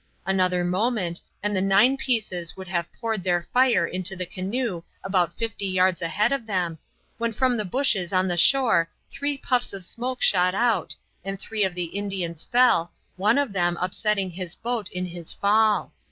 Another moment, and the nine pieces would have poured their fire into the canoe about fifty yards ahead of them, when from the bushes on the shore three puffs of smoke shot out, and three of the Indians fell, one of them upsetting his boat in his fall.